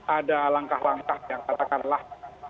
ada langkah langkah yang katakanlah